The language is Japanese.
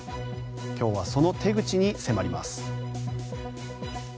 今日はその手口に迫ります。